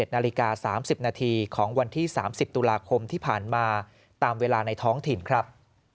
๑นาฬิกา๓๐นาทีของวันที่๓๐ตุลาคมที่ผ่านมาตามเวลาในท้องถิ่นครับ